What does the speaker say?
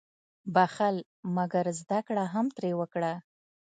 • بخښل، مګر زده کړه هم ترې وکړه.